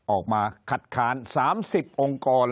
ออกมาคัดค้าน๓๐องค์กร